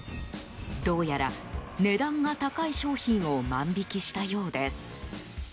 どうやら値段が高い商品を万引きしたようです。